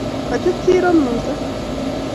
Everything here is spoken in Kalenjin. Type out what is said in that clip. Kachut siro Musa